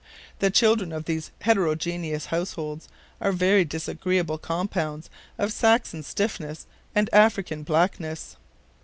The children of these heterogeneous households are very disagreeable compounds of Saxon stiffness and African blackness.